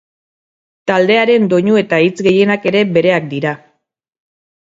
Taldearen doinu eta hitz gehienak ere bereak dira.